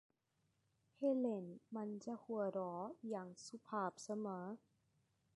เฮเลนมักจะหัวเราะอย่างสุภาพเสมอ